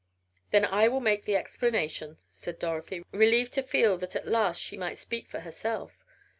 "Then I will make the explanation," said Dorothy, relieved to feel that at last she might speak for herself.